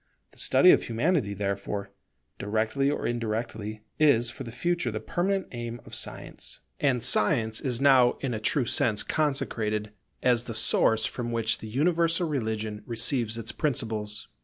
The study of Humanity therefore, directly or indirectly, is for the future the permanent aim of Science; and Science is now in a true sense consecrated, as the source from which the universal religion receives its principles.